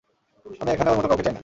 আমি এখানে ওর মতো কাউকে চাই না।